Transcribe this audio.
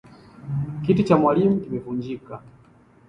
Kiti cha mwalimu kimevunjika.